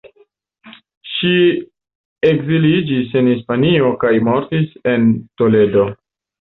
Ŝi ekziliĝis en Hispanio kaj mortis en Toledo.